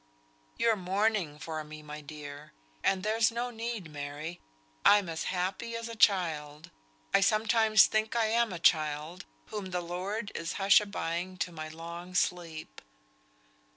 "Yo're mourning for me, my dear; and there's no need, Mary. I'm as happy as a child. I sometimes think I am a child, whom the Lord is hushabying to my long sleep.